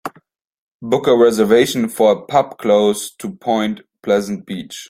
Book a reservation for a pub close to Point Pleasant Beach